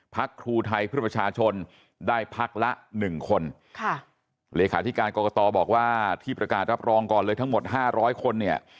พักทูไทยเพื่อประชาชนได้พักละ๑คนค่ะเลขาธิการกอกตอบอกว่าที่ประการรับรองก่อนเลยทั้งหมด๕๐๐คนเนี่ย